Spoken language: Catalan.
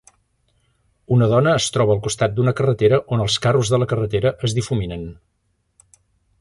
Una dona es troba al costat d'una carretera on els carros de la carretera es difuminen.